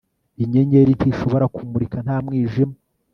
inyenyeri ntishobora kumurika nta mwijima